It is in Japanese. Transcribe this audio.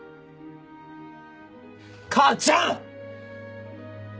母ちゃん！